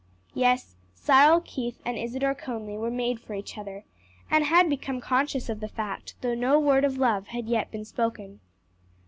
Yes, Cyril Keith and Isadore Conly were made for each other, and had become conscious of the fact, though no word of love had yet been spoken.